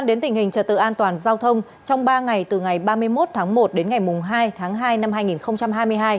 đến tình hình trật tự an toàn giao thông trong ba ngày từ ngày ba mươi một tháng một đến ngày hai tháng hai năm hai nghìn hai mươi hai